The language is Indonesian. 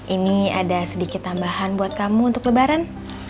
ini ada sedikit tambahan buat kamu untuk lebaran